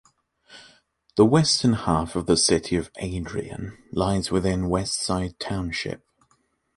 The western half of the city of Adrian lies within Westside Township.